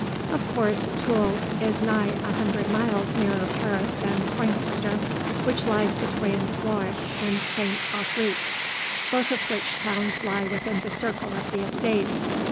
Of course, Tulle is nigh a hundred miles nearer Paris than Pointdexter, which lies between Florac and Sainte Afrique, both of which towns lie within the circle of the estate.